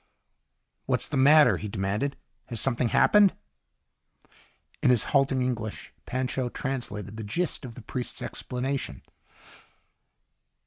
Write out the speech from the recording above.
"What's the matter?" he demanded. "Has something happened?" In his halting English, Pancho translated the gist of the priest's explanation.